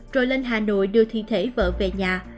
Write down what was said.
rồi lên hà nội đưa thi thể vợ về nhà